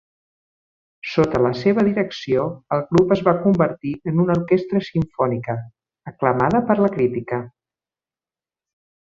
Sota la seva direcció el grup es va convertir en una orquestra simfònica aclamada per la crítica.